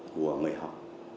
của người học